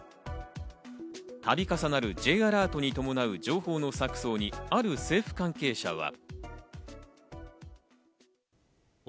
度重なるＪアラートに伴う情報の錯綜にある政府関係者は。